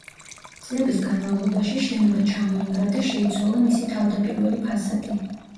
წლების განმავლობაში შენობა ჩამოინგრა და შეიცვალა მისი თავდაპირველი ფასადი.